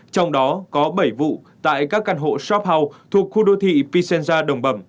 trong đó có bảy vụ tại các căn hộ shop house thuộc khu đô thị pisenza đồng bẩm